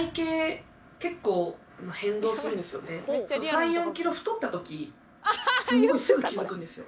３４キロ太った時すごいすぐ気付くんですよ。